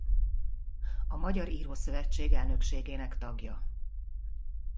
A Magyar Írószövetség elnökségének tagja.